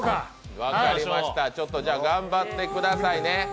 分かりました、頑張ってくださいね。